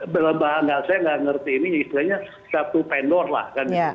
saya gak ngerti ini istilahnya satu pendor lah kan